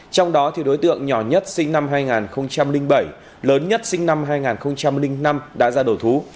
trong đó đối tượng nhỏ nhất sinh năm hai nghìn bảy lớn nhất sinh năm hai nghìn năm đã ra đổ thú